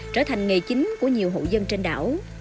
trở thành nghề chính của nhiều hộ dân trên đảo